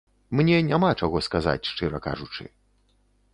Мне няма чаго сказаць, шчыра кажучы.